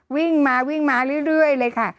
วิ่งมาวิ่งมาเรื่อยเลยค่ะ